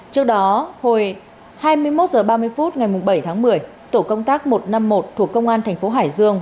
trước đó hồi hai mươi một h ba mươi phút ngày bảy tháng một mươi tổ công tác một trăm năm mươi một thuộc công an thành phố hải dương